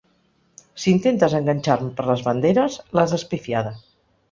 Si intentes enganxar-me per les banderes, l’has espifiada.